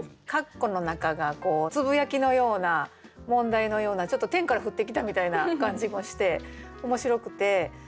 括弧の中がつぶやきのような問題のようなちょっと天から降ってきたみたいな感じもして面白くて。